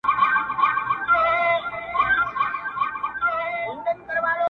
هغه هڅه کوي چي له خپل درد سره مقابله وکړي خو نه برياليږي،